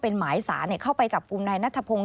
เป็นหมายสารเข้าไปจับกลุ่มนายนัทพงศ